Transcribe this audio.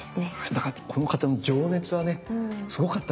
だからこの方の情熱はねすごかったでしょうね。